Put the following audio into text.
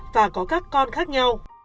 và có các con khác nhau